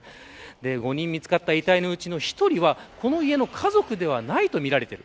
５人見つかった遺体のうちの１人はこの家の家族ではないとみられている。